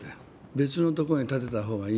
「別のとこに建てた方がいいよ」